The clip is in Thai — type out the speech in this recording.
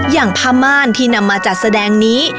อย่างผ้าม่านที่นำมาจัดแสดงนี้